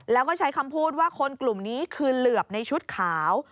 แล้วก็ใช้คำพูดว่าคนกลุ่มนี้คือเหลือบในชุดขาว